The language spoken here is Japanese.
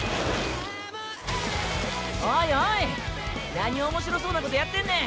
おいおいなに面白そうなことやってんねん。